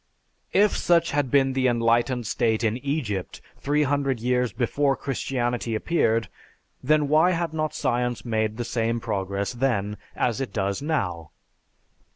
If such had been the enlightened state in Egypt three hundred years before Christianity appeared, then why had not science made the same progress then as it does now?